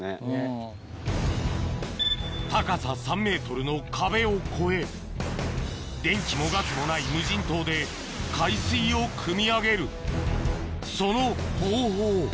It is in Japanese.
高さ３ｍの壁を越え電気もガスもない無人島で海水をくみ上げるその方法